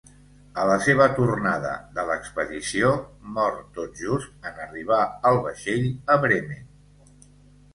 A la seva tornada de l'expedició, mor tot just en arribar el vaixell a Bremen.